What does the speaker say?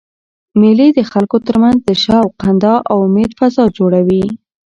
مېلې د خلکو ترمنځ د شوق، خندا او امېد فضا جوړوي.